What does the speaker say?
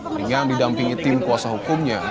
dengan didampingi tim kuasa hukumnya